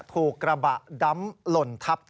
ถูกกระบะดำหล่นทับ